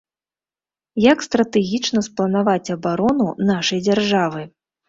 Як стратэгічна спланаваць абарону нашай дзяржавы.